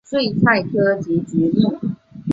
睡菜科及菊目。